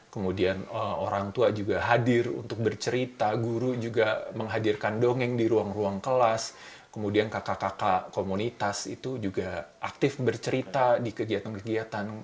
kemudian orang tua juga hadir untuk bercerita guru juga menghadirkan dongeng di ruang ruang kelas kemudian kakak kakak komunitas itu juga aktif bercerita di kegiatan kegiatan